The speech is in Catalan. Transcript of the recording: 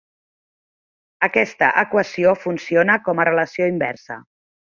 Aquesta equació funciona com a relació inversa.